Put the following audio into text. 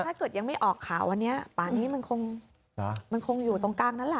ถ้าเกิดยังไม่ออกข่าวอันนี้ป่านี้มันคงอยู่ตรงกลางนั้นแหละ